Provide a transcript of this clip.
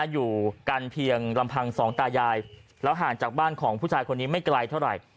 อยู่กันเพียงลำพังสองตายายแล้วห่างจากบ้านของผู้ชายคนนี้ไม่ไกลเท่าไหร่